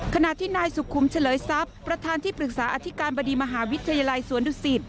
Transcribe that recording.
ขณะที่นายสุขุมเฉลยทรัพย์ประธานที่ปรึกษาอธิการบดีมหาวิทยาลัยสวนดุสิต